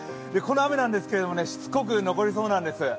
この雨なんですけど、しつこく残りそうなんです。